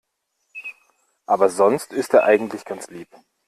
Aber sonst ist er eigentlich ganz lieb.